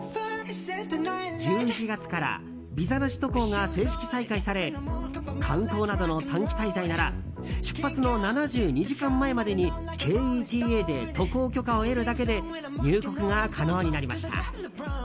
１１月からビザなし渡航が正式再開され観光などの短期滞在なら出発の７２時間前までにＫ‐ＥＴＡで渡航許可を得るだけで入国が可能になりました。